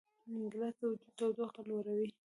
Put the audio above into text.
ګیلاس د وجود تودوخه لوړوي.